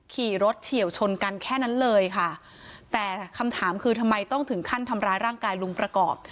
ขี่รถเฉียวชนกันแค่นั้นเลยค่ะแต่คำถามคือทำไมต้องถึงขั้นทำร้ายร่างกายลุงประกอบ